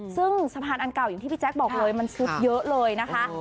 ซึ่งสะพานอันเก่าอย่างที่พี่แจ๊คบอกเลยมันซุดเยอะเลยนะคะ